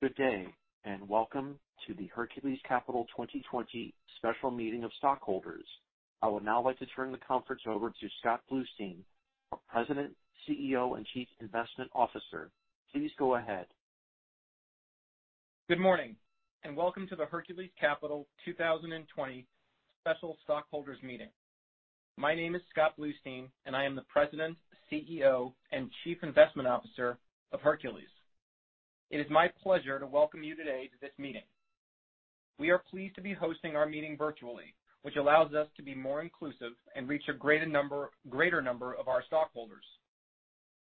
Good day, and welcome to the Hercules Capital 2020 special meeting of stockholders. I would now like to turn the conference over to Scott Bluestein, our President, CEO, and Chief Investment Officer. Please go ahead. Good morning, and welcome to the Hercules Capital 2020 special stockholders' meeting. My name is Scott Bluestein, and I am the President, CEO, and Chief Investment Officer of Hercules. It is my pleasure to welcome you today to this meeting. We are pleased to be hosting our meeting virtually, which allows us to be more inclusive and reach a greater number of our stockholders.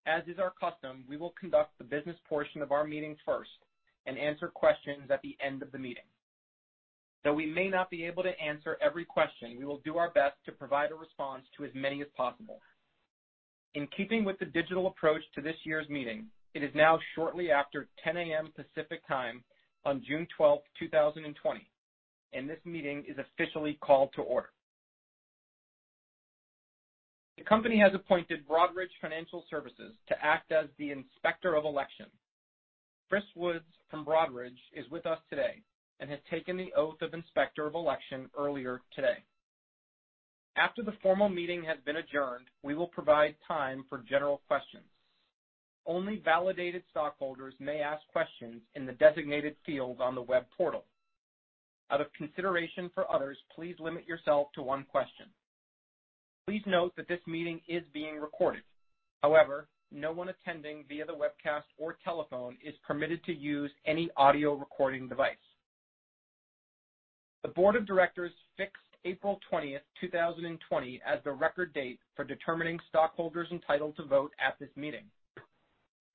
As is our custom, we will conduct the business portion of our meeting first and answer questions at the end of the meeting. Though we may not be able to answer every question, we will do our best to provide a response to as many as possible. In keeping with the digital approach to this year's meeting, it is now shortly after 10:00 A.M. Pacific Time on June 12, 2020, and this meeting is officially called to order. The company has appointed Broadridge Financial Services to act as the Inspector of Election. Chris Woods from Broadridge is with us today and has taken the oath of Inspector of Election earlier today. After the formal meeting has been adjourned, we will provide time for general questions. Only validated stockholders may ask questions in the designated field on the web portal. Out of consideration for others, please limit yourself to one question. Please note that this meeting is being recorded. However, no one attending via the webcast or telephone is permitted to use any audio recording device. The Board of Directors fixed April 20, 2020, as the record date for determining stockholders entitled to vote at this meeting.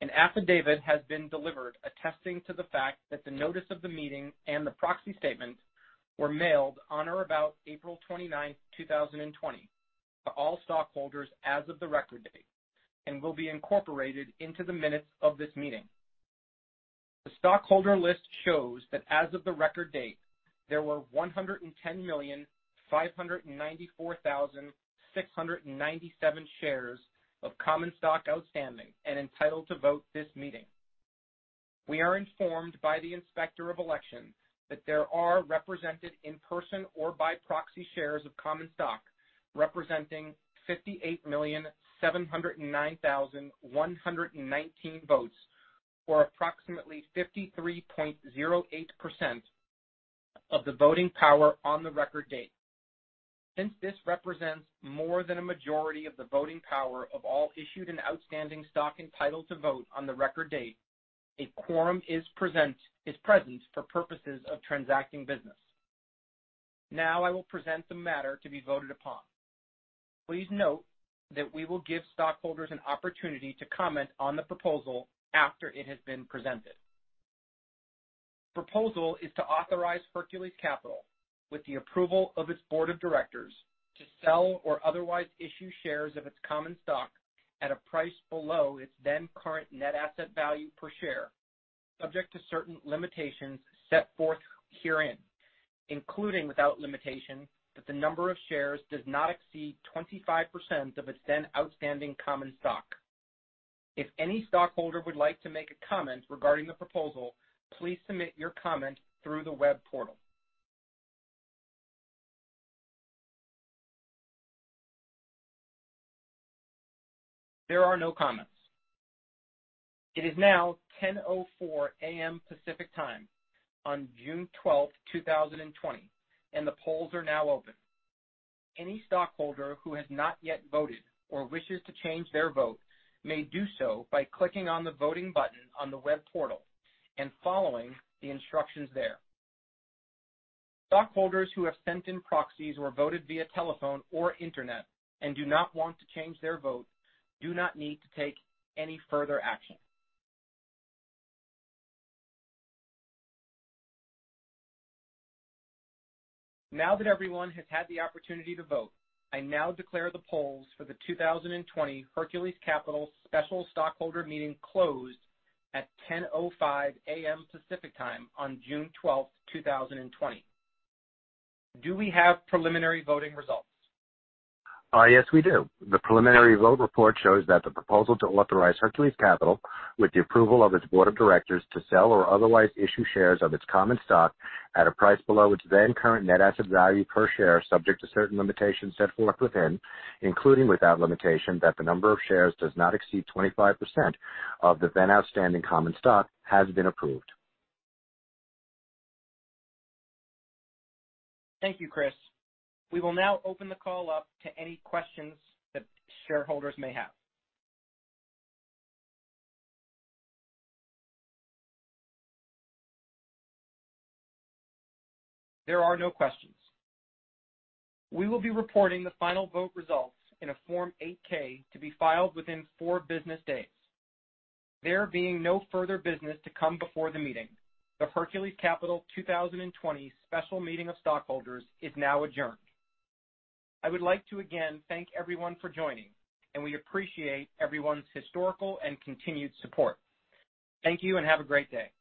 An affidavit has been delivered attesting to the fact that the notice of the meeting and the proxy statement were mailed on or about April 29, 2020, to all stockholders as of the record date and will be incorporated into the minutes of this meeting. The stockholder list shows that as of the record date, there were 110,594,697 shares of common stock outstanding and entitled to vote this meeting. We are informed by the Inspector of Election that there are represented in person or by proxy shares of common stock representing 58,709,119 votes or approximately 53.08% of the voting power on the record date. Since this represents more than a majority of the voting power of all issued and outstanding stock entitled to vote on the record date, a quorum is present for purposes of transacting business. Now I will present the matter to be voted upon. Please note that we will give stockholders an opportunity to comment on the proposal after it has been presented. The proposal is to authorize Hercules Capital, with the approval of its Board of Directors, to sell or otherwise issue shares of its common stock at a price below its then current net asset value per share, subject to certain limitations set forth herein, including without limitation, that the number of shares does not exceed 25% of its then outstanding common stock. If any stockholder would like to make a comment regarding the proposal, please submit your comment through the web portal. There are no comments. It is now 10:04 A.M. Pacific Time on June 12, 2020, and the polls are now open. Any stockholder who has not yet voted or wishes to change their vote may do so by clicking on the voting button on the web portal and following the instructions there. Stockholders who have sent in proxies or voted via telephone or internet and do not want to change their vote do not need to take any further action. Now that everyone has had the opportunity to vote, I now declare the polls for the 2020 Hercules Capital special stockholder meeting closed at 10:05 A.M. Pacific Time on June 12, 2020. Do we have preliminary voting results? Yes, we do. The preliminary vote report shows that the proposal to authorize Hercules Capital, with the approval of its Board of Directors, to sell or otherwise issue shares of its common stock at a price below its then current net asset value per share, subject to certain limitations set forth within, including without limitation, that the number of shares does not exceed 25% of the then outstanding common stock has been approved. Thank you, Chris. We will now open the call up to any questions that shareholders may have. There are no questions. We will be reporting the final vote results in a Form 8-K to be filed within four business days. There being no further business to come before the meeting, the Hercules Capital 2020 special meeting of stockholders is now adjourned. I would like to again thank everyone for joining, and we appreciate everyone's historical and continued support. Thank you and have a great day.